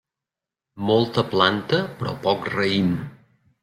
Molta planta però poc raïm.